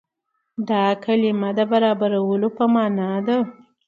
دا کلمه د برابرولو په معنا ده.